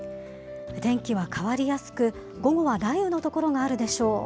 天気は変わりやすく、午後は雷雨の所があるでしょう。